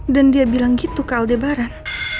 dan dia bilang gitu ke aldebaran